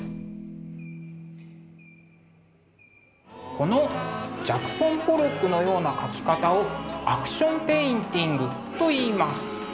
このジャクソン・ポロックのような描き方をアクション・ペインティングといいます。